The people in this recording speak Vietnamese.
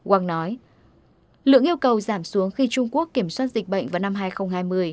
quang nói lượng yêu cầu giảm xuống khi trung quốc kiểm soát dịch bệnh vào năm hai nghìn hai mươi